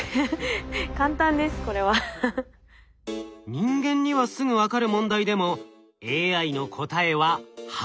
人間にはすぐ分かる問題でもＡＩの答えは８。